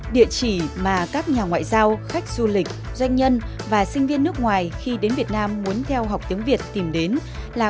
địa chỉ mà các nhà ngoại giao khách du lịch doanh nhân và sinh viên nước ngoài khi đến việt nam muốn theo học tiếng việt tìm đến là